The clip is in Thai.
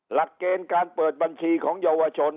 หลักเกณฑ์การเปิดบัญชีของเยาวชน